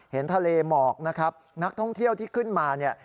เห็นทะเลหมอกนะครับนักท่องเที่ยวที่ขึ้นมาเนี่ย